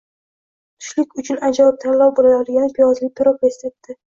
Tushlik uchun ajoyib tanlov bo‘la oladigan piyozli pirog retsepti